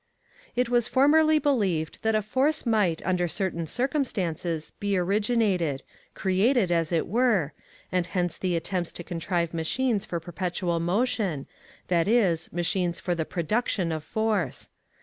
It was formerly believed that a force might under certain circumstances be originated created, as it were and hence the attempts to contrive machines for perpetual motion that is, machines for the production of force.